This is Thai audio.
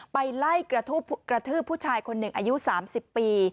ไปไล่กระทืบผู้ชายคนหนึ่งอายุ๓๐ปี